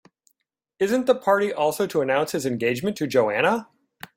Isn't the party also to announce his engagement to Joanna?